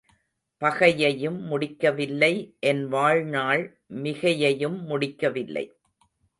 பகையையும் முடிக்கவில்லை என் வாழ்நாள் மிகையையும் முடிக்கவில்லை.